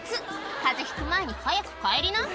かぜひく前に早く帰りな。